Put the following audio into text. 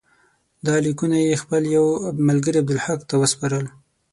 دا لیکونه یې خپل یوه ملګري عبدالحق ته وسپارل.